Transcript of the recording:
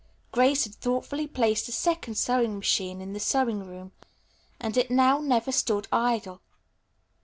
Grace had thoughtfully placed a second sewing machine in the sewing room, and it never stood idle.